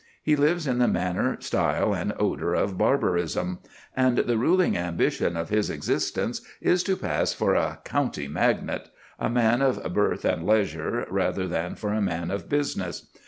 He lives in the manner, style, and odour of Barbarism; and the ruling ambition of his existence is to pass for a "county magnate", a man of birth and leisure, rather than for a man of business.